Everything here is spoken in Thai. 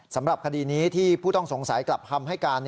สำหรับคดีนี้ที่ผู้ต้องสงสัยกลับคำให้การ